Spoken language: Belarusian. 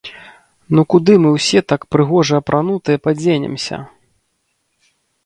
Ну куды мы ўсе так прыгожа апранутыя падзенемся???